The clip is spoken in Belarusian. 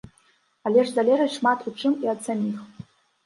Але ж залежыць шмат у чым і ад саміх.